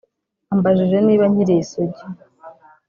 Ambajije niba nkiri isugi